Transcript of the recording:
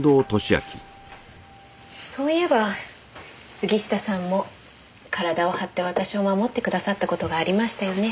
そういえば杉下さんも体を張って私を守ってくださった事がありましたよね。